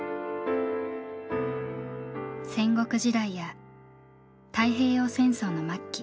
戦国時代や太平洋戦争の末期。